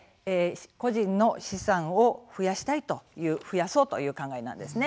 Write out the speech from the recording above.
個人の資産を増やしたいという増やそうという考えなんですね。